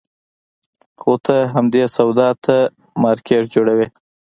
خو ته همدې سودا ته مارکېټ جوړوې.